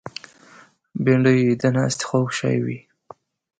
بېنډۍ د ناستې خوږ شی وي